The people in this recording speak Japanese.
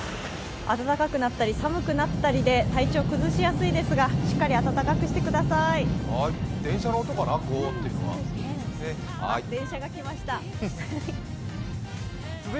暖かくなったり、寒くなったりで体調崩しやすいですがしっかり暖かくしてください。